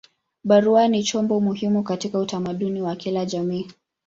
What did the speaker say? Barua ni chombo muhimu katika utamaduni wa kila jamii.